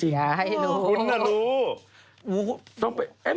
ใช่รู้คุณอ่ะรู้อู้ต้องไป